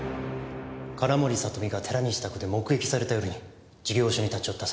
金森里美が寺西宅で目撃された夜に事業所に立ち寄った